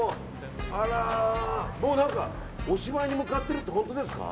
もうおしまいに向かってるって本当ですか。